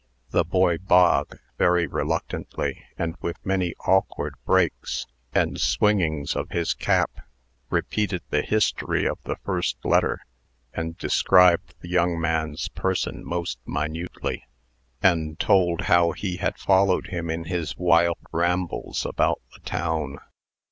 The boy Bog, very reluctantly, and with many awkward breaks, and swingings of his cap, repeated the history of the first letter, and described the young man's person most minutely, and told how he had followed him in his wild rambles about the town.